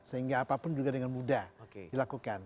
sehingga apapun juga dengan mudah dilakukan